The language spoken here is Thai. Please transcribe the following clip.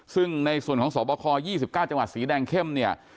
ซึ่งในส่วนของสอบคอ๒๙จังหวัดสีแดงเข้มเนี่ย